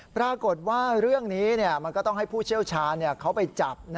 ปรากฏว่าเรื่องนี้มันก็ต้องให้ผู้เชี่ยวชาญเขาไปจับ